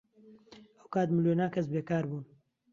ئەو کات ملیۆنان کەس بێکار بوون.